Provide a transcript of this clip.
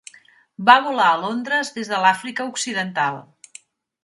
Va volar a Londres des de l'Àfrica Occidental.